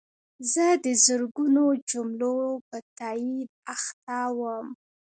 زه د زرګونو جملو په تایید اخته وم.